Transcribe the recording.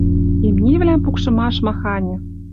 Имнинвлӓм пукшымаш маханьы